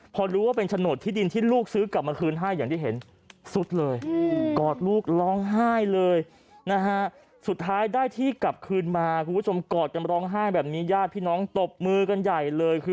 พอรู้ว่าเป็นฉนดที่ดินที่ลูกซื้อกลับมาคืนให้